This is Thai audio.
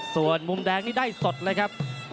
ส่วนมุมแดงนี่ได้สดเลยครับ